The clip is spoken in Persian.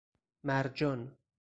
مرجان